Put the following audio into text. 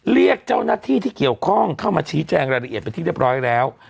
เรียกเจ้าหน้าที่ที่เกี่ยวข้องเข้ามาชี้แจงรายละเอียดเป็นที่เรียบร้อยแล้ว